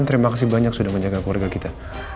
terima kasih banyak sudah menjaga keluarga kita